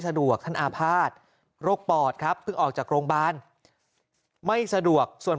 สะดวกท่านอาภาษณ์โรคปอดครับเพิ่งออกจากโรงพยาบาลไม่สะดวกส่วน